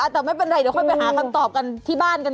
แต่ไม่เป็นไรเดี๋ยวค่อยไปหาคำตอบกันที่บ้านกัน